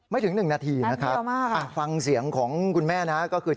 ถึง๑นาทีนะครับฟังเสียงของคุณแม่นะก็คือ